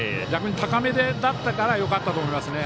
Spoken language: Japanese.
逆に高めだったからよかったと思います。